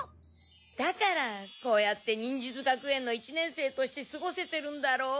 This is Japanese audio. だからこうやって忍術学園の一年生として過ごせてるんだろう。